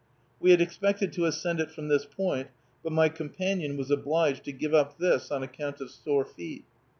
We had expected to ascend it from this point, but my companion was obliged to give up this on account of sore feet.